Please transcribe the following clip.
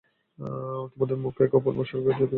তোমাদের মুখ এক অপূর্ব স্বর্গীয় জ্যোতি ধারণ করিবে।